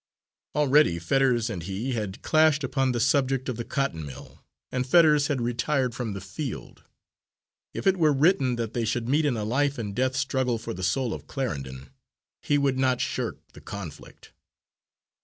Already Fetters and he had clashed upon the subject of the cotton mill, and Fetters had retired from the field. If it were written that they should meet in a life and death struggle for the soul of Clarendon, he would not shirk the conflict.